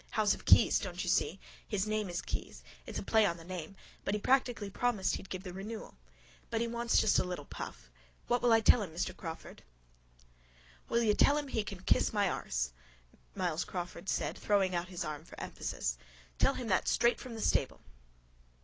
House of keys, don't you see? His name is Keyes. It's a play on the name. But he practically promised he'd give the renewal. But he wants just a little puff. What will I tell him, Mr Crawford? K.M.A. —Will you tell him he can kiss my arse? Myles Crawford said throwing out his arm for emphasis. Tell him that straight from the stable.